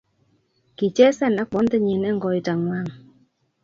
kichesan ak bontenyi eng koitangwang